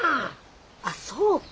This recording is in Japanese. あっそうか。